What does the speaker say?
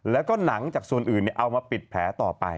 แล้วก็หนังจากส่วนอื่นเอามาปิดแผลต่อไป